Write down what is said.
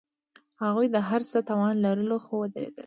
هغوی د هر څه توان لرلو، خو ودریدل.